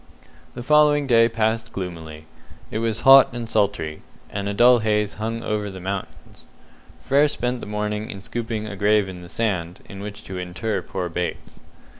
The following day passed gloomily. It was hot and sultry, and a dull haze hung over the mountains. Frere spent the morning in scooping a grave in the sand, in which to inter poor Bates.